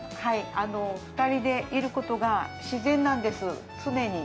２人でいることが自然なんです、常に。